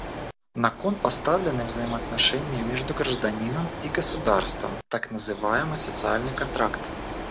На кон поставлены взаимоотношения между гражданином и государством — так называемый «социальный контракт».